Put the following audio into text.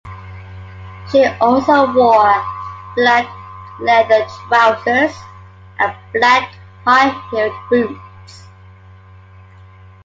She also wore black leather trousers and black high-heeled boots.